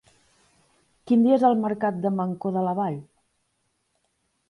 Quin dia és el mercat de Mancor de la Vall?